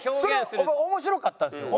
それ面白かったですよ。